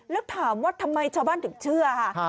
แล้วถามว่าทำไมชาวบ้านถึงเชื่อค่ะ